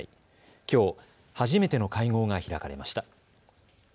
きょう、初めての会合が開かれました。